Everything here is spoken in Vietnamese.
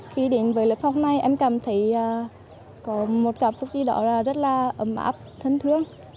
khi đến với lớp học này em cảm thấy có một cảm xúc đi đoạn rất là ấm áp thân thương